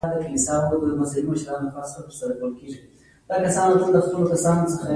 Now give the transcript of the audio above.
هغه سمدستي د مورګان پوښتنې ته ورغی